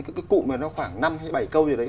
cái cụm này nó khoảng năm hay bảy câu gì đấy